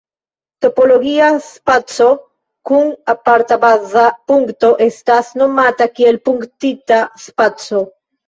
Topologia spaco kun aparta baza punkto estas nomata kiel punktita spaco.